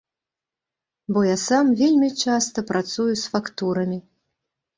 Бо я сам вельмі часта працую з фактурамі.